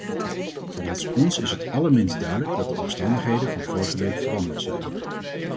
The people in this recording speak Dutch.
Volgens ons is het allerminst duidelijk dat de omstandigheden van vorige week veranderd zijn.